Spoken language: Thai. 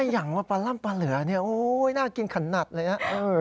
อย่างว่าปลาร่ำปลาเหลือเนี่ยโอ๊ยน่ากินขนาดเลยนะ